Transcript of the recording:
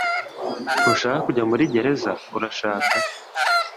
Ntushaka kujya muri gereza urashaka